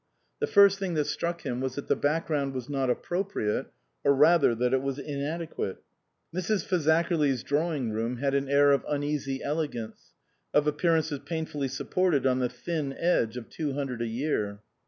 The first thing that struck him was that the background was not appropriate, or rather that it was inadequate. Mrs. Fazakerly's drawing room had an air of uneasy elegance, of appearances painfully supported on the thin edge of two hundred a year.